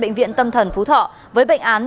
bệnh viện tâm thần phú thọ với bệnh án